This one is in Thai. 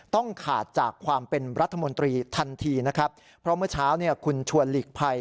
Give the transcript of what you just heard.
ต้องขาดจากความเป็นรัฐมนตรีทันทีนะครับเพราะเมื่อเช้าเนี่ยคุณชวนหลีกภัย